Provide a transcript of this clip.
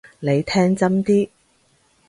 你聽真啲！